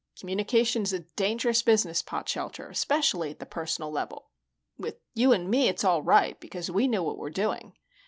"Communication is a dangerous business, Potshelter, especially at the personal level. With you and me, it's all right, because we know what we're doing."